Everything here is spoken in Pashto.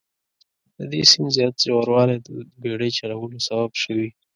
د دې سیند زیات ژوروالی د بیړۍ چلولو سبب شوي.